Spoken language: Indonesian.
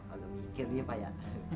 agak pikir dia pak ya